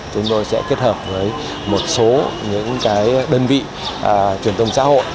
chúng tôi sẽ kết hợp với một số những đơn vị truyền thông xã hội